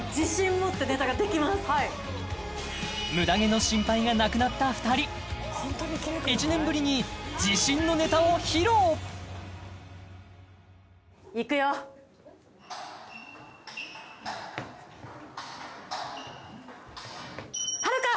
はいムダ毛の心配がなくなった２人１年ぶりに自信のネタを披露いくよ遥香！